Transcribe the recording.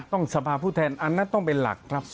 สภาพผู้แทนอันนั้นต้องเป็นหลักครับ